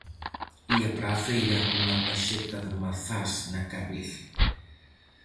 Ía para a feira cunha paxeta de mazás na cabeza.